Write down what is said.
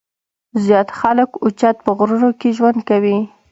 زيات خلک اوچت پۀ غرونو کښې ژوند کوي ـ